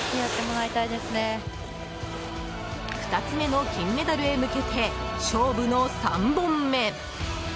２つ目の金メダルへ向けて勝負の３本目。